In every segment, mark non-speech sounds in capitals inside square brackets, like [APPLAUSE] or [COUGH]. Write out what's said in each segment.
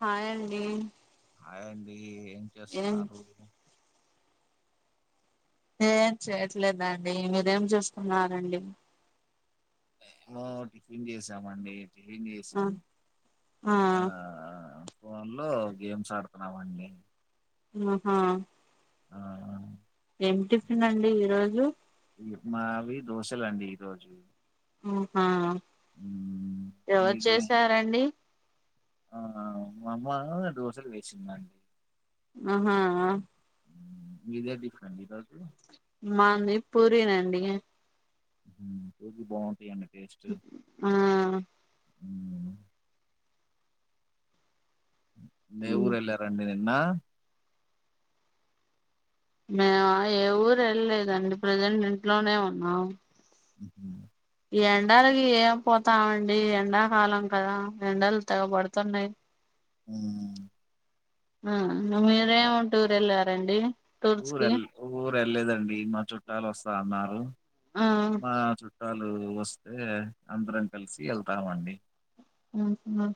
Hi అండి ఆయండి ఏం చేస్తున్నారు మీరు ఏం చేయట్లేదండి మీరేం జూస్తున్నారండి మేము టిఫిన్ చేసామండి టిఫెన్ ఆ చేసి ఆ ఫోన్ లో గేమ్స్ ఆడుతున్నామండి ఆహా ఆ ఏం టిఫిన్ అండి ఈ రోజు ఇంగటి మావి దోశలండి ఈ రోజు ఉమ్మ్ హా మ్మ్, ఎవరు మీదే చేసారండి ఆ మా అమ్మా దోశలు వేసింది అండి ఆహా ఆ మ్మ్ మీదేం టిఫిన్ అండి ఈ రోజు మాంది పూరినండి ఫుడ్ బాగుంటాయిండి టేస్ట్ ఆ నే ఊరువెళ్లారండి నిన్న మేము ఏ ఊరు వెళ్ళలేదండి ప్రజెంట్ ఇంట్లోనే ఉన్నాం ఆహ ఎండాలకి ఏం పోతామండి ఎండాకాలం కదా ఎడాలు తెగబడుతున్నాయి ఉ ఆ మీరే ఉంటూరు వెళ్ళారండి టూర్స్ ఊరె కి ఊరు వెళ్ళదండి మా చుట్టాలు వస్తా అన్నారు ఆ మా చుట్టాలు వస్తే అందరం కలిసి వెళ్తామండి అవునా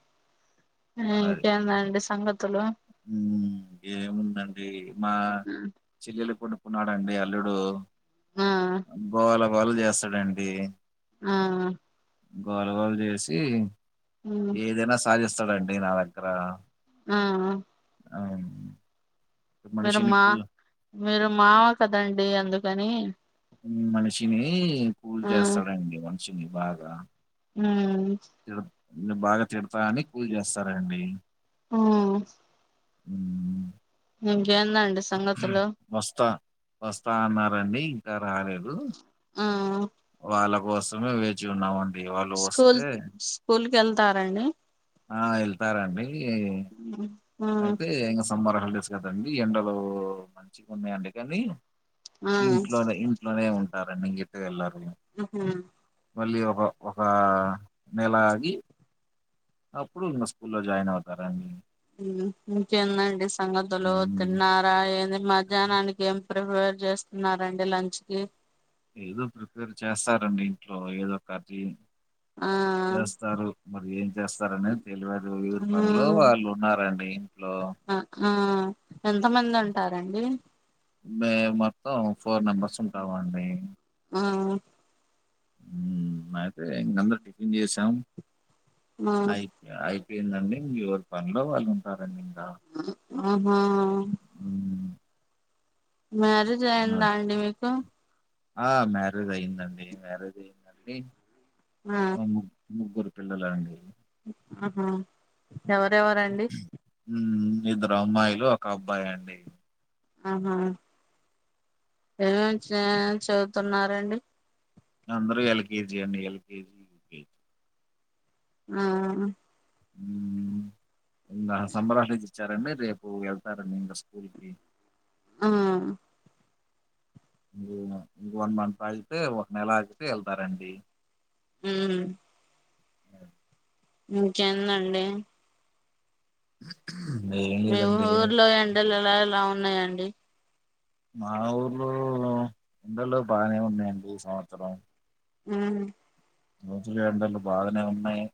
ఇంకేం అండి సంగతులు హ్మ్మ్ ఏముందండి మా చెల్లెలు కొడుకున్నాడండి అల్లుడు ఆ గోల గోల చేస్తాడండి ఆ గోల గోల చేసి ఏదైనా సాధిస్తాడు అండి నా దగ్గర ఆ అ అవును మీరు మా మీరు మావ కదండి అందుకని మనిషిని కూల్ ఆ చేస్తాడండి మనిషిని బాగా హమ్ ను నువ్వు బాగా చెప్తా అని కూల్ చేస్తారండి హమ్ ఇంకేంది అండి సంగతులు వస్తా వస్తా అన్నారండి ఇంకా రాలేదు ఆ వాళ్ళ కోసమే వేచి ఉన్నామం స్కూల్ స్కూల్ కి వెళ్తారా అండి ఆ వెళ్తారండి ఏ [INAUDIBLE] అయితే ఇంకా సమ్మార్ హాలిడేస్ కదండి ఎండలు మంచిగా ఉన్నాయండి అందుకని ఆ ఇంట్లోనే ఇంట్లోనే ఉంటారండి ఇంక ఎటు వెెళ్లరు ఆహా మళ్ళీ ఒక ఒక నెల ఆగి అప్పుడున్న స్కూల్లో జాయిన్ అవుతారండి హ్మ్మ్ ఇంకేంటండి సంగతులు హ్మ్. తిన్నారా ఏంది మధ్యాహ్నానికి ఏమి ప్రిపేర్ చేస్తున్నారండి లంచ్ కి ఏదో ప్రిపేర్ చేస్తారండి ఇంట్లో ఏదో క్లీన్ ఆ చేస్తారు మరి ఏం చేస్తారని తెలివదు ఎవరు పనీలో వాళ్ళు ఉన్నారండి ఇంట్లో ఆ ఆ ఎంత మంది ఉంటారండి మేము మొత్తం ఫోర్ మెంబర్స్ ఉంటామండి ఆ ఉమ్ అయితే ఇంకందరు టిఫిన్ చేసాము ఆ అయి అయిపోయిందండి ఇంక ఎవరి పనిలో వాళ్ళు ఉంటారండి ఇంకా ఆహా ఉ మ్యారేజ్ అయిందా అండి మీకు ఆ మ్యారేజ్ అయిందండి మ్యారేజ్ అయ్యిందా అండి ఆ ముగ్గురు పిల్లలే అండి ఆహ ఎవరెవరండి ఇద్దరు అమ్మాయిలు ఒక అబ్బాయి అండి ఆహా ఏమే ఏమే చదువుతున్నారండి అందరూ ఎల్కేజీ అండి ఎల్కేజీ ఆహా ఇంకా సమ్మర్ హాలిడే ఇచ్చారండి రేపు వెళ్తారండి ఇంకా స్కూల్ కి ఆ వన్ మంత్ ఆగితే ఒక నెల ఆగితే వెళ్తారండి ఉ ఇంకేందండి నే మీ ఊర్లో ఎండలు ఎలా ఎలా ఉన్నాయండి మా ఊర్లో ఎండలు బాగానే ఉన్నాయి ఈ సంవత్సరం ఉ రోజులు ఎండలు బాగానే ఉన్నాయి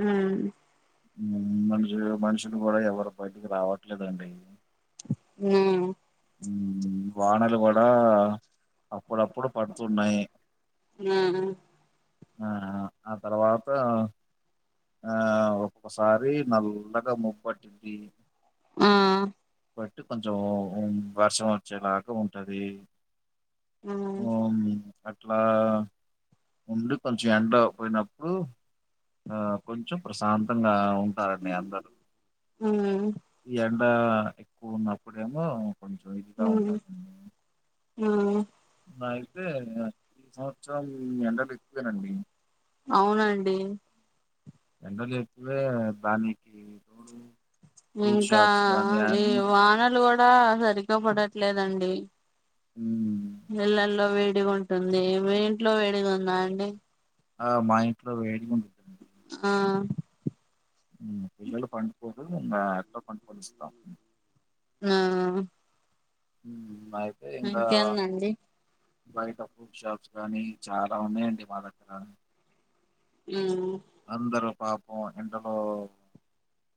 ఆ మనుషు మనుషులు కూడా ఎవరు బయటికి రావట్లేదండి ఉ ఉ వానలు కూడా అప్పుడప్పుడు పడుతున్నాయి ఆ ఆ ఆ తర్వాత ఆ ఒక్కొక్కసారి నల్లగా ముపట్టింది ఆ బట్టి కొంచెం వర్షం వచ్చేలాగా ఉంటది ఉమ్ ఓ అట్లా ఉండి కొంచెం ఎండ పోయినప్పుడు ఆ కొంచెం ప్రశాంతంగా ఉ ఉంటారండి అందరు ఉమ్ ఈ ఎండ ఎక్కువ ఉన్నప్పుడేమో కొంచెం ఇదిగా ఉంటారండి ఆ అయితే ఈ సంవత్సరం ఎండలు ఎక్కువేనండి అవునండి ఎండలు ఎక్కువే దానికి తోడు ఫ్రూట్ ఇంకా షాప్స్ గానీ ఈ అన్నీ వానలు కూడా సరిగ్గా పడట్లేదండి ఉ ఇళ్లల్లో వేడిగా ఉంటుంది మీ ఇంట్లో వేడిగా ఉందా అండి ఆ ఇంట్లో వేడిగా ఉంది ఆ పిల్లలు పడుకున్నారు మా అంతకు కొనిస్తాము ఆఆ అయితే ఇంగా ఇంకేందండి బయట ఫ్రూడ్ షాప్స్ గానీ చాలా ఉన్నాయండి మా దగ్గర. ఆ. అందరూ పాపం ఎండలో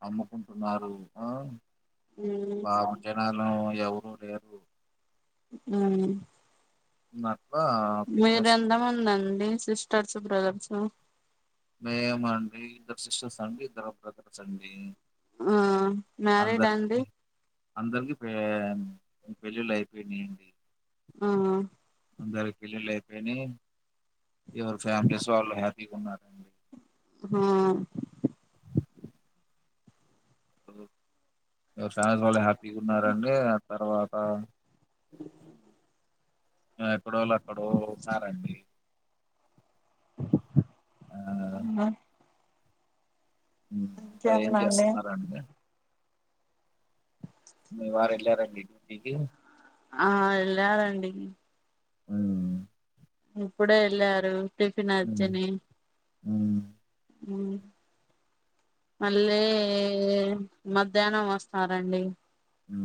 అమ్ముకుంటున్నారు ఆ. బాబు జనాల ఎవరూ లేరు. ఉ. మక్కువ. మీరు ఎంతమంది అండి సిస్టర్స్ బ్రదర్సు. మేమా అండి ఇద్దరు సిస్టర్స్ అండి ఇద్దరు బ్రదర్స్ అండి. ఆ మ్యారిడ్ అందరికి అండి. అందరికి పె పెళ్ళిళ్ళు అయిపోయినాయండి. ఆ. అందరికి పెళ్లిళ్లు అయిపోయినీ ఎవరు ఫ్యామిలీస్ వాళ్ళు హ్యాపీగా ఉన్నారండి. హా. ఎవరి ఫ్యామిలీస్ వాళ్ళు హ్యాపీగా ఉన్నడి ఆ తర్వాత. ఎక్కడో వాళ్ళు అక్కడో ఉన్నారండి. ఆ అ. ఇంకా ఏం ఇంకేందండి చేస్తున్నారా అండి. మీ వారు ఎల్లారండి డ్యూటీకి. ఆ వెళ్ళారండి. ఊ. ఇప్పుడే వెళ్ళారు టిఫిన్ అర్జని. హు. ఉ. మళ్ళీ మధ్యాహ్నం వస్తారండి. ఉ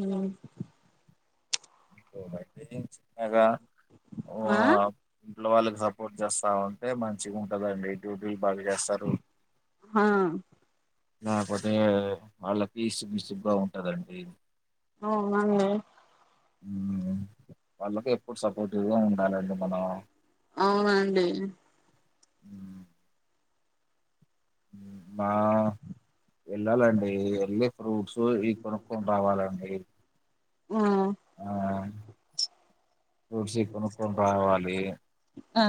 హ. అ చిన్నగా. వా ఆ. ఇంట్లో వాళ్ళకి సపోర్ట్ చేస్తా అంటే మంచిగా ఉంటదండి డ్యూటీలు బాగా చేస్తారు. హా. ఆ పడ్డయ్య వాళ్లకి తీసి చూపిస్తే బాగుంటదండి. అవునండి. వాళ్ళకి ఎప్పుడు సపోర్టివ్గా ఉండాలండి మనం. అవునా అండి. ఉ. బా. వెళ్ళాలండి వెళ్ళి ఫ్రూట్స్ ఈ కొనుక్కొని రావాలండి. ఆ ఆ ఫూడ్స్ కొనుక్కొని రావాలి. ఆ.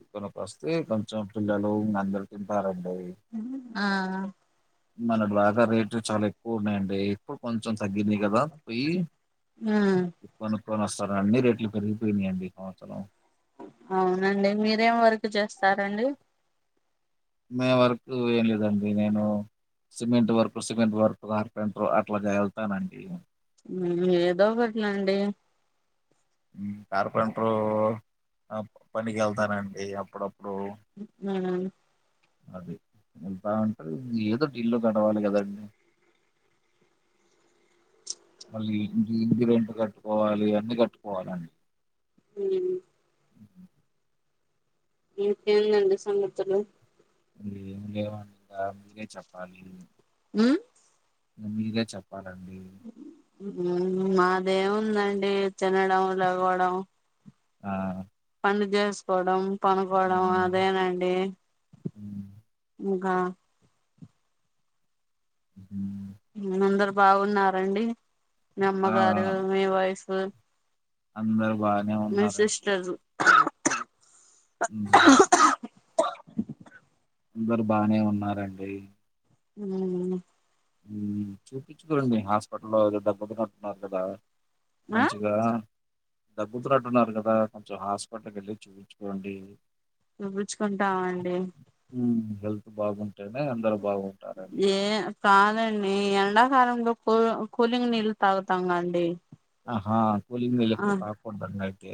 ఇ కొనక వస్తే కొంచెం పిల్లలు అందరు తింటారండి. ఆ. మన బాగా రేట్ చాలా ఎక్కువ ఉన్నాయండి ఎప్పుడు కొంచెం తగ్గింది కదా పోయి. ఆ. కొనుక్కొని వస్తారండి అన్ని రేట్లు పెరిగిపోయినాయియండి ఈ సంవత్సరం. అవునండి మీరేం వర్క్ చేస్తారండి. మే వర్క్ ఏం లేదండి నేను cement work cement work carpenter అట్లా చేయగలుతానండి [UNINTELLIGIBLE] ఏదో ఒకటిలండి [UNINTELLIGIBLE] కార్పెంటరు అ పనికి వెళ్తనండి అప్పుడప్పుడు అ [UNINTELLIGIBLE] అదే వెళ్తా ఉంటది, ఏదో ఇల్లు గడవాలి కదండి మళ్ళీ ఇ ఇంటిరెంట్ కట్టుకోవాలి అన్నీ కట్టుకోవాలండి హ [UNINTELLIGIBLE] ఉ [INAUDIBLE] ఇంకేంటి అండి సంగతులు [UNINTELLIGIBLE] ఏం లేవండి ఇక మీరే చెప్పాలి ఉ మీరే చెప్పాలండి మాదేముందండి తినడం లెగవడం ఆ పని చేసుకోవడం పనుకోవడం ఉమ్, అదేనండి ఉమ్, ఆ ఉ అందరు బాగున్నారండి మీ ఆ అమ్మగారు మీ వైఫ్ అందరు బానే ఉన్నారండి చదు [UNINTELLIGIBLE] ఉ అందరు బానే ఉన్నారండి ఉ చూపించు కొండి మీ హాస్పిటల్లో ఏదో దగ్గు తన్నట్టున్నారు కదా [UNINTELLIGIBLE] ఆ మంచిగా దగ్గుతున్నట్టున్నారు కదా కొంచెం హాస్పిటల్కి వెళ్ళి చూపించుకోండి చూపిచుకుంటామండి ఉ హెల్త్ బాగుంటేనే అందరు బాగుంటారండి ఏ కాదండి ఎండాకాలంలో కూల్ కూలింగ్ నీళ్ళు తాగుతాం గా అండి ఆహా కూలింగ్ నీళ్లు ఆ ఎక్కువ తాక్కూడదండి అయితే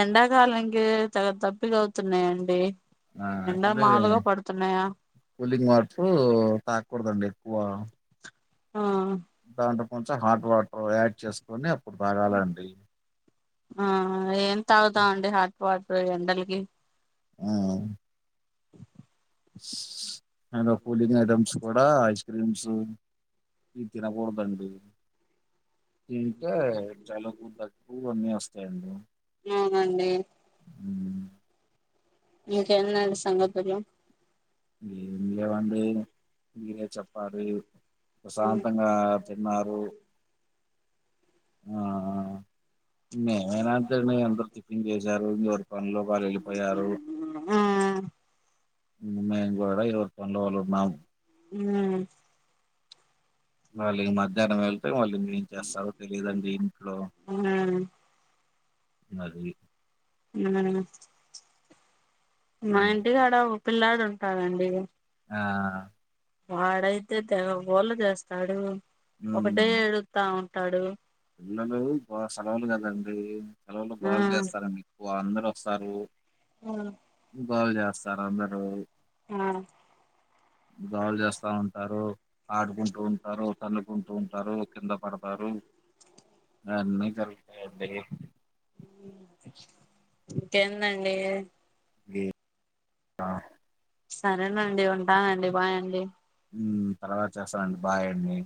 ఎండాకాలనికి తగ [UNINTELLIGIBLE] దప్పిక అవుతున్నాయండి ఎండ అయితే మాలుగా పడుతున్నాయా [UNINTELLIGIBLE] కూలింగ్ వాటర్ తాగకూడదండి ఎక్కువ ఆ అంటే కొంచెం హాట్ వాటర్ యాడ్ చేసుకని అప్పుడు తాగాలండి ఆ ఏం తాగుదాం అండి హాట్ వాటర్ ఎండలకి ఆ లో కూలింగ్ ఐటమ్స్ కూడా ఐస్ క్రీమ్స్ ఇది తినకూడదండి తింటే చల కు [UNINTELLIGIBLE] అన్నీ వస్తాయండి అవునండి [UNINTELLIGIBLE] హ ఇంకేంది అండి సంగతులు ఏం లేవండి మీరే చెప్పాలి ప్రశాంతంగా తిన్నారు ఆ మేము అయిన అంతే అండి అందరు టిఫిన్ చేసారు మీ వోడు పనులోకి వాళ్లు వెళ్ళిపోయారు ఆ మేము కూడా ఎవరి పనిలో వాళ్ళున్నాం ఉ మళ్ళ ఇ మధ్యానం వెళ్తే మళ్ళ ఏం చేస్తారో తెలిదండి ఇంట్లో అది ఉ మా ఇంటికాడ ఓ పిల్లాడు ఉంటారండి. ఆ వాడైతే తెగగోళ్ళ చేస్తాడు ఒకటే హ్మ్. ఎడుత్త ఉంటాడు. పిల్లలు బాగా సెలవులు కదండి సెలవులు ఆ బాగులు చేస్తారండి. ఎక్కువ అందరు వస్తారు. ఆ గోల చేస్తారు అందరు ఆ గోల చేస్తా ఉంటారు. ఆడుకుంటూ ఉంటారు. తన్నుకుంటూ ఉంటారు కింద పడతారు ఆన్నీ జరుతాయి అండి ఇంకేందండి ఈ- ఆ, సరేనండి ఉంటానండి భాయ్ అండి తర్వాత చేస్తానండి బాయ్ అండి